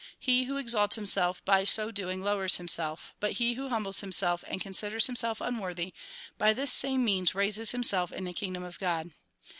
He who exalts himself, by so doing lowers himself ; but he who humbles himself, and considers himself unworthy, by this same means raises himself in the kingdom of God.